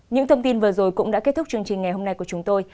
những thông tin vừa rồi cũng đã kết thúc chương trình ngày hôm nay của chúng tôi